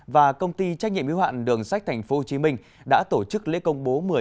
và công ty trách nhiệm yếu hạn đường sách tp hcm đã tổ chức lễ công bố